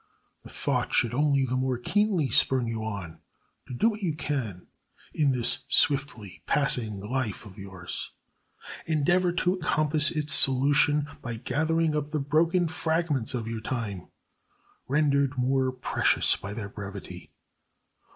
The thought should only the more keenly spur you on to do what you can in this swiftly passing life of yours. Endeavor to compass its solution by gathering up the broken fragments of your time, rendered more precious by their brevity.